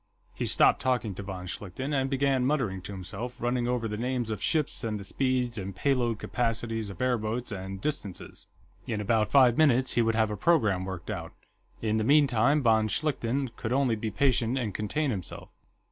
He stopped talking to von Schlichten, and began muttering to himself, running over the names of ships, and the speeds and pay load capacities of airboats, and distances. In about five minutes, he would have a programme worked out; in the meantime, von Schlichten could only be patient and contain himself.